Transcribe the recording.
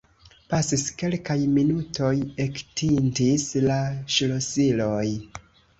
Pasis kelkaj minutoj; ektintis la ŝlosiloj.